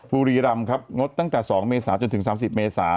บุรีรำครับงดตั้งแต่๒เมษาจนถึง๓๐เมษา